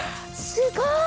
すごい！